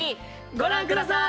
ご覧ください！